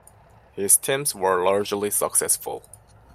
His teams were largely successful.